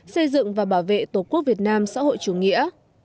xây dựng và bảo vệ tổ quốc việt nam xã hội chủ nghĩa